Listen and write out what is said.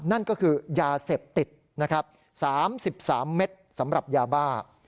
นั่นก็คือยาเสพติดนะครับ๓๓เม็ดสำหรับยาบ้า